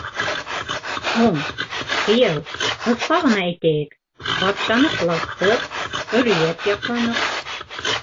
— Һуң, кейәү, ҡыҫҡа ғына әйтәйек: батшаны ҡолаттыҡ, хөрриәт яҡланыҡ.